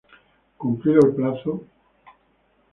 Cumplido el plazo, el Gral.